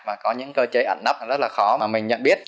và có những cơ chế ẩn nấp rất là khó mà mình nhận biết